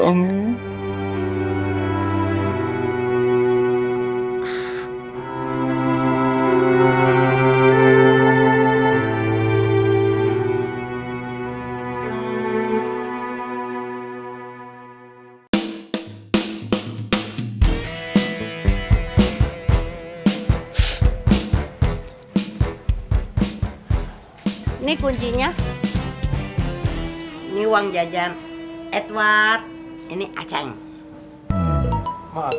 sampai jumpa di video selanjutnya